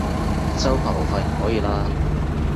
周柏豪髮型可以喇